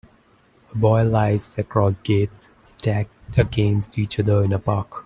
A boy lies across gates stacked against each other in a park.